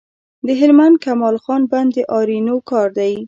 د هلمند کمال خان بند د آرینو کار دی